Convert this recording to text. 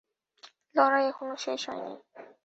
লড়াই এখনো শেষ হয়নি।